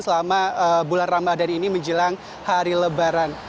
selama bulan ramadan ini menjelang hari lebaran